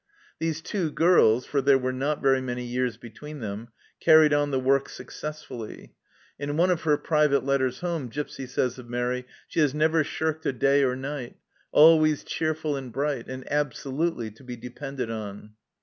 These two girls, for there were not very many years between them, carried on the work successfully. In one of her private letters home Gipsy says of Mairi :" She has never shirked a day or night ; always cheerful and bright, and absolutely to be depended on."